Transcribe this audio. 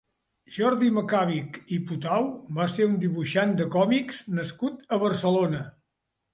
Jordi Macabich i Potau va ser un dibuixant de còmics nascut a Barcelona.